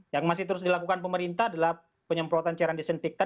yang masih terus dilakukan pemerintah adalah penyemprotan cairan desinfektan